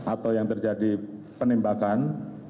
atau yang terjadi penembakan